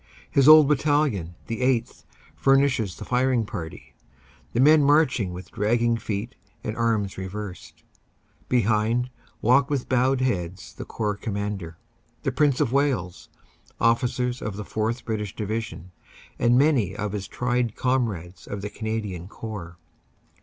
His old battalion, the 8th., fur nishes the firing party, the men marching with dragging feet and arms reversed. Behind walk with bowed head the Corps Commander, the Prince of Wales, officers of the 4th. British Division and many of his tried comrades of the Canadian Corps.